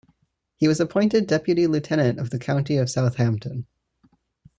He was appointed Deputy Lieutenant of the County of Southampton.